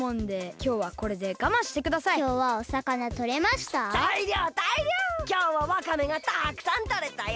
きょうはワカメがたくさんとれたよ。